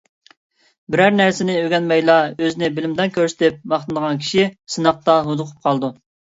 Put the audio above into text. بىرەر نەرسىنى ئۆگەنمەيلا ئۆزىنى بىلىمدان كۆرسىتىپ ماختىنىدىغان كىشى سىناقتا ھودۇقۇپ قالىدۇ!